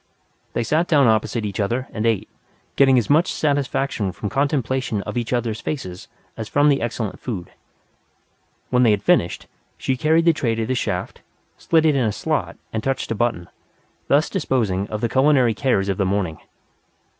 They sat down opposite each other, and ate, getting as much satisfaction from contemplation of each other's faces as from the excellent food. When they had finished, she carried the tray to the shaft, slid it in a slot, and touched a button thus disposing of the culinary cares of the morning.